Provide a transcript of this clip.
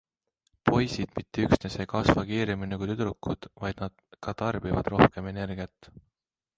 Poisid mitte üksnes ei kasva kiiremini kui tüdrukud, vaid nad ka tarbivad rohkem energiat.